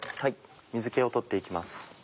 水気を取って行きます。